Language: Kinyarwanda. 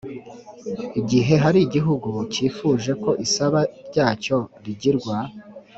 Igihe hari igihugu cyifuje ko isaba ryacyo rigirwa